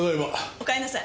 おかえりなさい。